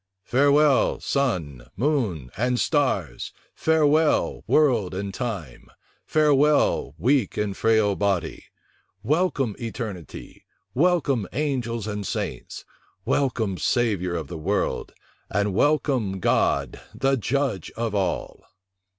"Farewell, sun, moon, and stars; farewell, world and time; farewell, weak and frail body: welcome, eternity; welcome, angels and saints; welcome, Savior of the world; and welcome, God, the Judge of all!"